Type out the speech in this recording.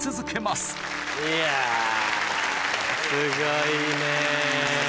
すごいね。